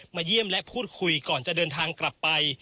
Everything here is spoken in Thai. เยี่ยมและพูดคุยก่อนจะเดินทางกลับไป